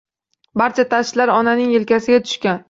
Barcha tashvishlar onaning elkasiga tushgan